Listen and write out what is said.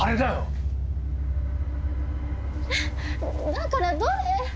だからどれ？